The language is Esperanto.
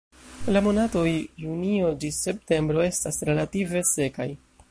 La monatoj junio ĝis septembro estas relative sekaj.